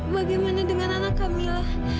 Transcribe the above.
bagaimana dengan anak kamila